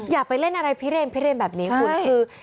อย่าไปเล่นอะไรพิเรนพิเรนแบบนี้คุณคือ